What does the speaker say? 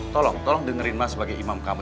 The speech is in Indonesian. tolong tolong dengerin mas sebagai imam kamu